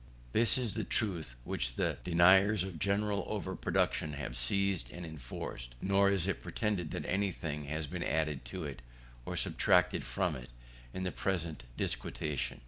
This is the truth which the deniers of general over production have seized and enforced; nor is it pretended that anything has been added to it, or subtracted from it, in the present disquisition.